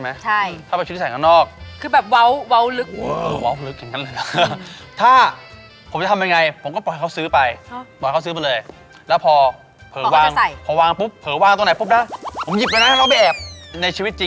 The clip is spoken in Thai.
แค่มองตาก็แบบจะค่อนข้างซิงก์กันเร็วว่าแบบเออทำยังไงดีอะไรอย่างเงี้ย